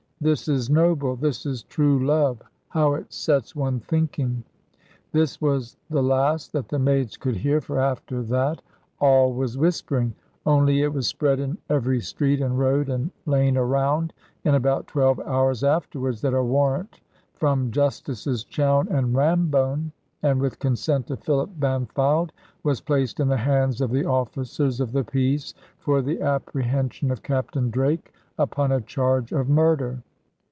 This is noble, this is true love! How it sets one thinking!" This was the last that the maids could hear; for after that all was whispering. Only it was spread in every street, and road, and lane around, in about twelve hours afterwards, that a warrant from Justices Chowne and Rambone, and, with consent of Philip Bampfylde, was placed in the hands of the officers of the peace for the apprehension of Captain Drake, upon a charge of murder.